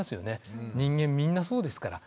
人間みんなそうですから。